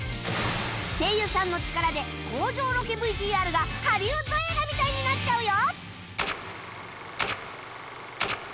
声優さんの力で工場ロケ ＶＴＲ がハリウッド映画みたいになっちゃうよ！